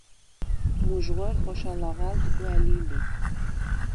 მუჟღუ̂ერ ხოშა ლაღა̈ლდ გუ̂ა̈ლი ლი.